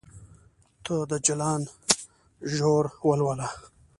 ته د جلان ژور ولوله